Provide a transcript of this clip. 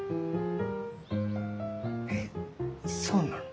えそうなん？